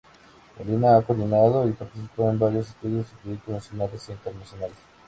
Molina ha coordinado y participado en varios estudios y proyectos nacionales e internacionales.